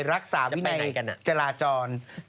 รักษาวินัยจราจรจะไปไหนกันน่ะ